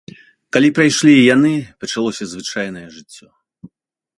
Калі прайшлі і яны, пачалося звычайнае жыццё.